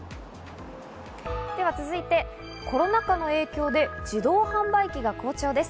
では続いて、コロナ禍の影響で自動販売機が好調です。